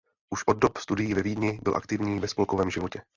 Už od dob studií ve Vídni byl aktivní ve spolkovém životě.